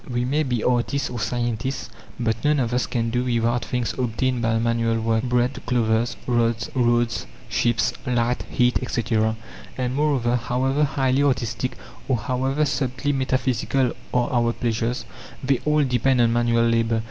We may be artists or scientists; but none of us can do without things obtained by manual work bread, clothes, roads, ships, light, heat, etc. And, moreover, however highly artistic or however subtly metaphysical are our pleasures, they all depend on manual labour.